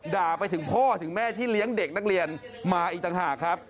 ด่าไปถึงพ่อถึงแม่ที่เลี้ยงเด็กนักเรียนมาอีกต่างหากครับ